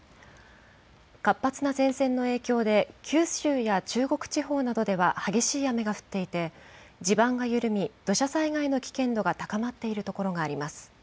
活発な前線の影響で九州や中国地方などでは激しい雨が降っていて地盤が緩み土砂災害の危険度が高まっているところがあります。